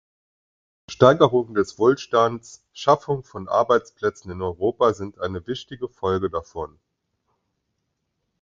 Steigerung des Wohlstands, Schaffung von Arbeitsplätzen in Europa sind eine wichtige Folge davon.